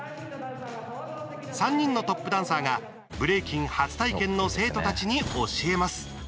３人のトップダンサーがブレイキン初体験の生徒たちに教えます。